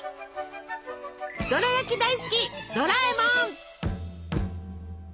ドラやき大好きドラえもん！